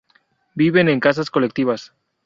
Viven en casas colectivas.